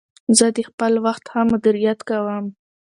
زه د خپل وخت ښه مدیریت کوم.